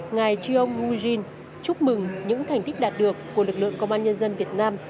ngài chiong hu jin chúc mừng những thành tích đạt được của lực lượng công an nhân dân việt nam